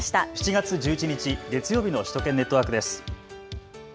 ７月１１日、月曜日の首都圏ネットワークです。